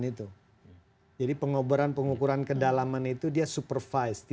nah saya lihat yang paling berat yang time consuming memakan banyak biaya ini kan boring yang terrestris ini